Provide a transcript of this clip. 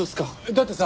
だってさ